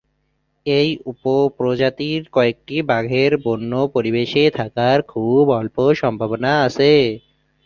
এই উপপ্রজাতির কয়েকটি বাঘের বন্য পরিবেশে থাকার খুব অল্প সম্ভাবনা আছে।